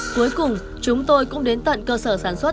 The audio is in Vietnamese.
cuối cùng chúng tôi cũng đến tận cơ sở sản xuất